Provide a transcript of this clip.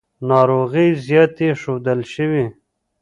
ناروغۍ زیاتې ښودل شوې.